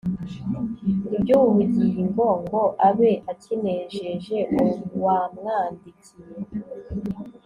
iby ubu bugingo ngo abe akinejeje uwamwandikiye